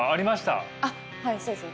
あっはいそうですね